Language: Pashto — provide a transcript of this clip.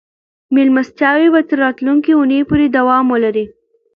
مېلمستیاوې به تر راتلونکې اونۍ پورې دوام ولري.